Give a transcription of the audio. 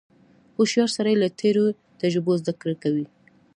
• هوښیار سړی له تېرو تجربو زدهکړه کوي.